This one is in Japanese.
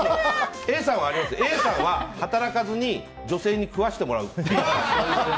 Ａさんは働かずに女性に食わせてもらうっていう。